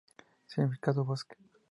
Significado: "Bosque".